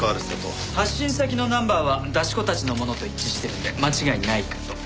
発信先のナンバーは出し子たちのものと一致してるんで間違いないかと。